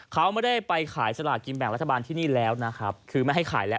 เขาไม่ได้ไปขายสลากกินแบ่งรัฐบาลที่นี่แล้วนะครับคือไม่ให้ขายแล้ว